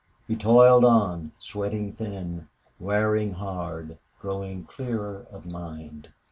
He toiled on, sweating thin, wearing hard, growing clearer of mind.